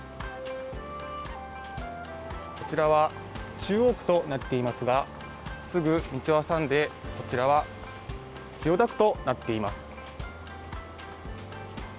こちらは、中央区となっていますが、すぐ道を挟んでこちらは千代田区となっています。